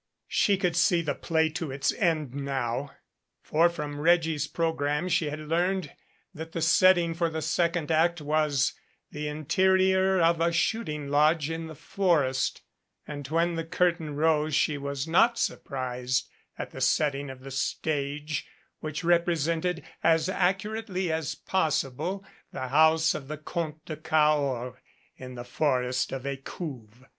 She could see the play to its end now, for from Reggie's program she had learned that the setting for the second act was the interior of a shooting lodge in the forest, and when the curtain rose she was not surprised at the setting of the stage, which represented, as accurately as possible, the house of the Comte de Cahors, in the forest of Ecouves.